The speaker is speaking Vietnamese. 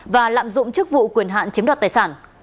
và lạm dụng chức vụ quyền hạn chiếm đoạt tài sản